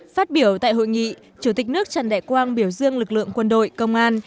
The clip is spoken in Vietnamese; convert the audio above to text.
phát biểu tại hội nghị chủ tịch nước trần đại quang biểu dương lực lượng quân đội công an